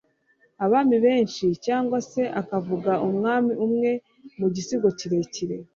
abami benshi cyangwase akavuga umwami umwe mu gisigo kirekire